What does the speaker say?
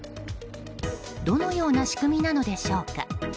どのような仕組みなのでしょうか。